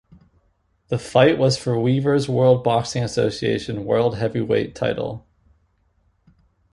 The fight was for Weaver's World Boxing Association world heavyweight title.